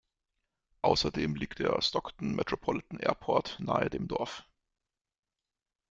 Außerdem liegt der Stockton Metropolitan Airport nahe dem Dorf.